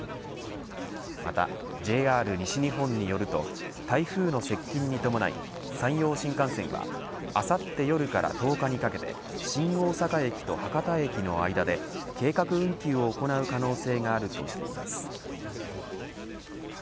またＪＲ西日本によると台風の接近に伴い山陽新幹線はあさって夜から１０日にかけて新大阪駅と博多駅の間で計画運休を行う可能性があるとしています。